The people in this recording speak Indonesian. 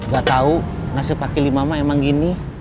gak tau nasib pak kilim mama emang gini